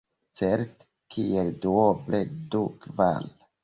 Certe, kiel duoble du kvar.